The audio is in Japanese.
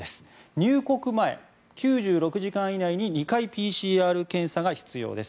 入国前、９６時間以内に２回ＰＣＲ検査が必要です。